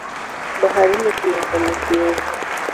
Baharini kuna samaki wengi